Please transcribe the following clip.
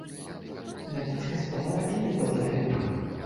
Глядзіць гаспадар і не пазнае.